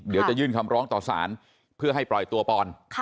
เดี๋ยวจะยื่นคำร้องต่อสารเพื่อให้ปล่อยตัวปอน